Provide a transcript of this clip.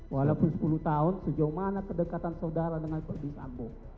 walaupun sepuluh tahun sejauh mana kedekatan saudara dengan perbisamu